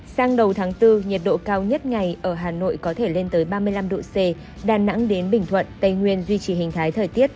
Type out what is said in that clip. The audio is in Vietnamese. sang đầu tháng bốn nhiệt độ cao nhất ngày ở hà nội có thể lên tới ba mươi năm độ c đà nẵng đến bình thuận tây nguyên duy trì hình thái thời tiết